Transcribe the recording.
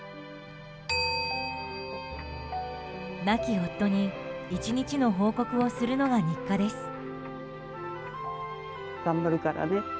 亡き夫に１日の報告をするのが日課です。